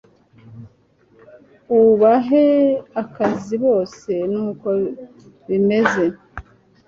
ubahe akazi bose nuko bimeze